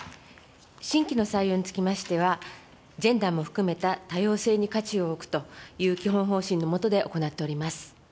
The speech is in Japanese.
新規の採用につきましては、ジェンダーも含めた多様性に価値を置くという基本方針の下で行っております。